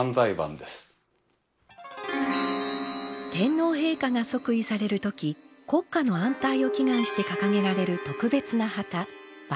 天皇陛下が即位される時国家の安泰を祈願して掲げられる特別な旗万歳旛です。